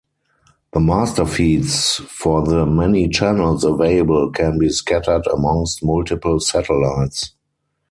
The master feeds for the many channels available can be scattered amongst multiple satellites.